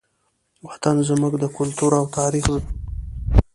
وطن زموږ د کلتور او تاریخ ځای دی.